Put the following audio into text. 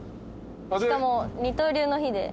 しかも二刀流の日で。